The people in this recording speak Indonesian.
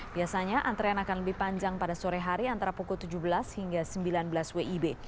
biasanya antrean akan lebih panjang pada sore hari antara pukul tujuh belas hingga sembilan belas wib